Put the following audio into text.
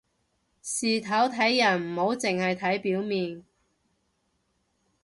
事頭睇人唔好淨係睇表面